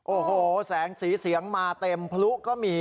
โอ้โหแสงสีเสียงมาเต็มพลุก็มี